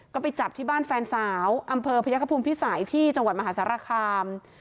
ก็ไปจับที่บ้านแฟนสาวอำเภอพยักษภูมิพิสัยที่จังหวัดมหาสารคาม